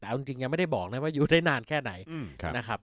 แต่เอาจริงยังไม่ได้บอกนะว่าอยู่ได้นานแค่ไหนนะครับ